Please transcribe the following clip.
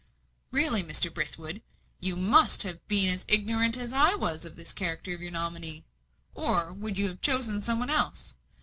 "Really, Mr. Brithwood, you must have been as ignorant as I was of the character of your nominee, or you would have chosen some one else.